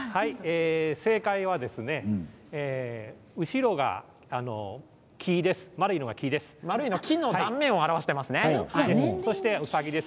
正解は後ろが木です。